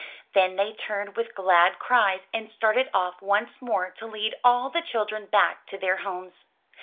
Then they turned with glad cries and started off once more to lead all the children back to their homes.